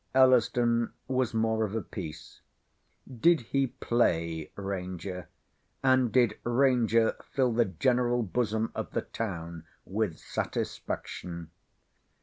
Elliston was more of a piece. Did he play Ranger? and did Ranger fill the general bosom of the town with satisfaction?